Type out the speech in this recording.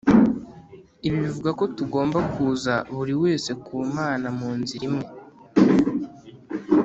Ibi bivuga ko tugomba kuza buri wese ku Mana mu nzira imwe